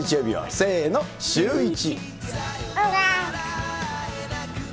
せーの、シューイチ。